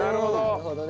なるほど！